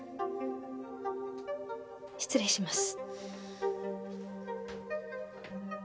失礼します。